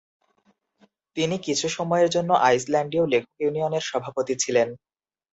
তিনি কিছু সময়ের জন্য আইসল্যান্ডীয় লেখক ইউনিয়নের সভাপতি ছিলেন।